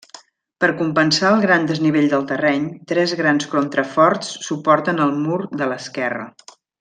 Per compensar el gran desnivell del terreny, tres grans contraforts suporten el mur de l'esquerra.